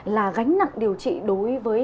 là gánh nặng điều trị đối với